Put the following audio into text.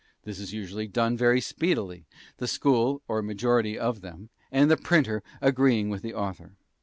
This is usually done very speedily, the school or a majority of them and the printer agreeing with the author.